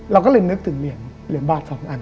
เราก็เลยนึกถึงเหรียญบาท๒อัน